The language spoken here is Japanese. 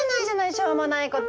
しょうもないこと。